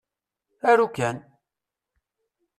Aru kan!